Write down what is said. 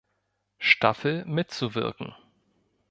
Staffel mitzuwirken.